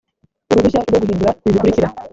uruhushya rwo guhindura ibi bikurikira